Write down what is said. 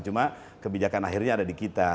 cuma kebijakan akhirnya ada di kita